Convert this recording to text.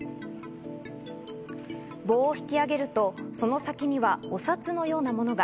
棒を引き上げると、その先にはお札のようなものが。